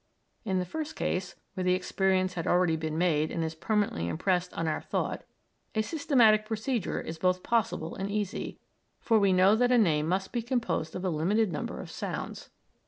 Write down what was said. In the first case where the experience had already been made and is permanently impressed on our thought a systematic procedure is both possible and easy, for we know that a name must be composed of a limited number of sounds.